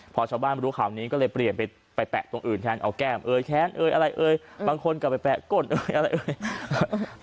พอชาวบ้านมารู้ขำนะก็เลยเปลี่ยนไปแตะตรงอื่นแทนเอาแก้มแขนอะไรบางคนตายไปแตะหนน